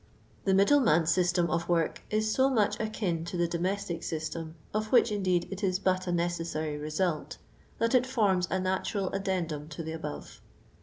The Midiif.enutji sif.<fem of rnrJiis so much akin to the domestic system, of which, indeed, it is but a necessary result, that it forms a natural addendum to the above.